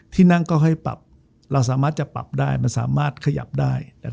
ที่นั่งก็ให้ปรับเราสามารถจะปรับได้มันสามารถขยับได้